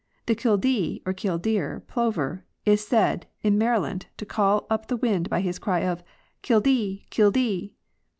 The kildee, or killdeer plover, is said, in Maryland, to call up the wind by his ery of " kildee, kildee!"